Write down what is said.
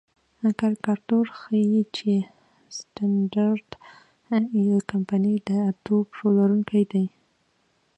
کاریکاتور ښيي چې سټنډرډ آیل کمپنۍ د اتو پښو لرونکې ده.